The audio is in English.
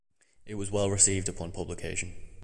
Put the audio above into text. It was well received upon publication.